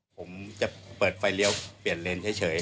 ผมจะเปิดไฟเลี้ยวเปลี่ยนเลนเฉย